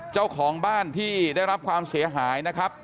เจ้าของบ้านที่ได้รับความเสียหายนะครับ